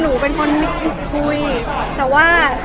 หนูเป็นคนคุยแต่ว่า